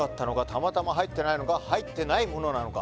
たまたま入ってないのか入ってないものなのか？